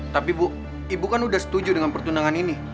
tapi ibu ibu kan sudah setuju dengan pertunangan ini